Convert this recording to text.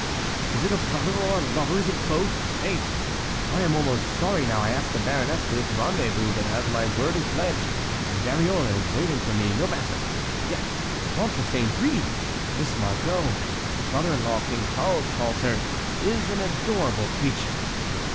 is it a brother or a lover? is it both? I' faith, I am almost sorry now I asked the baroness for this rendezvous; but, as my word is pledged, and Dariole is waiting for me—no matter. Yet, ventre saint gris! this Margot, as my brother in law, King Charles, calls her, is an adorable creature."